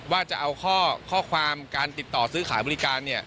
ว่าจะเอาข้อความการติดต่อซื้อขายบริการ